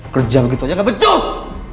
kerja begitu aja gak becus